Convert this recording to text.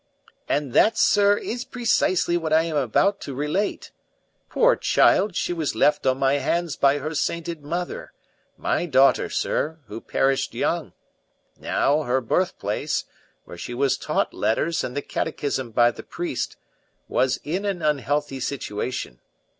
"And that, sir, is precisely what I am about to relate. Poor child, she was left on my hands by her sainted mother my daughter, sir who perished young. Now, her birthplace, where she was taught letters and the Catechism by the priest, was in an unhealthy situation.